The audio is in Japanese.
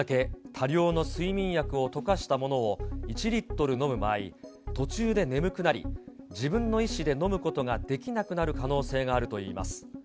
これだけ多量の睡眠薬を溶かしたものを１リットル飲む場合、途中で眠くなり、自分の意思で飲むことができなくなる可能性があるといいます。